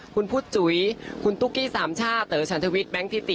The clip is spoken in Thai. คุณพุธจุ๋ยคุณตุ๊กกี้สามชาติเต๋อชันทวิทย์แบงค์ทิตติ